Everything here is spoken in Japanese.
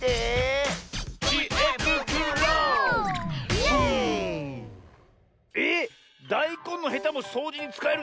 「イェーイ！」えっだいこんのヘタもそうじにつかえるんですか？